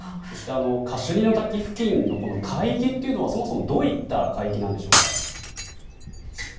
カシュニの滝付近の海域はそもそもどういった海域なんでしょうか。